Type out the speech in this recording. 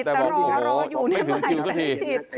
แต่บอกว่าไม่ถือคิวซะที